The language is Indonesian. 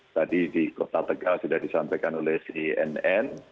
tadi di kota tegal sudah disampaikan oleh si nn